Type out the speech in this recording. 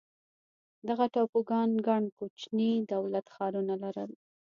دغه ټاپوګانو ګڼ کوچني دولت ښارونه لرل.